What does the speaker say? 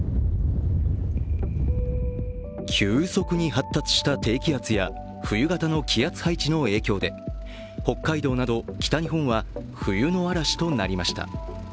急速に発達した低気圧や冬型の気圧配置の影響で北海道など北日本は冬の嵐となりました。